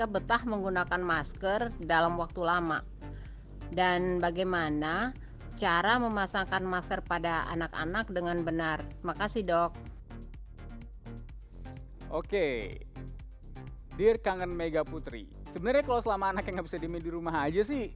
sebenarnya kalau selama anak yang gak bisa di minum di rumah aja sih